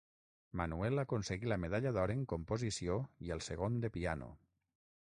Manuel aconseguí la medalla d'or en composició i el segon de piano.